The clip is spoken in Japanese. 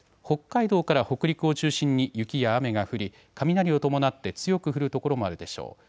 北海道から北陸を中心に雪や雨が降り雷を伴って強く降る所もあるでしょう。